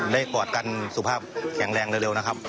กอดกันสุขภาพแข็งแรงเร็วนะครับ